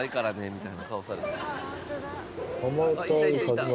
みたいな顔された。